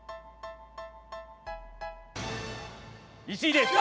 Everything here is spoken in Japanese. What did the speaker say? １位です！